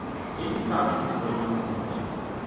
Eles sabem que foi um acidente.